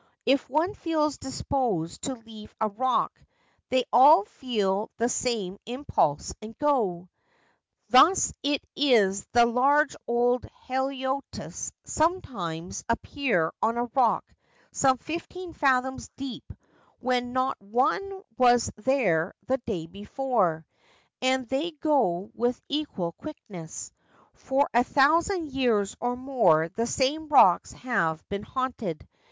If one feels disposed to leave a rock, they all feel the same impulse and go. Thus it is that large old haliotis sometimes appear on a rock some fifteen fathoms deep when not one was there the day before ; and they go with equal quickness. For a thousand years or more the same rocks have been haunted.